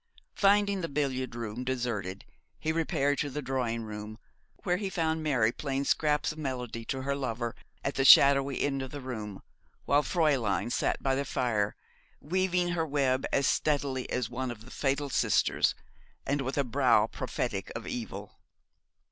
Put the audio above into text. Finding the billiard room deserted he repaired to the drawing room, where he found Mary playing scraps of melody to her lover at the shadowy end of the room, while Fräulein sat by the fire weaving her web as steadily as one of the Fatal Sisters, and with a brow prophetic of evil.